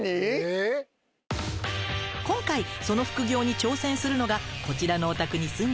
今回その副業に挑戦するのがこちらのお宅に住んでいる方。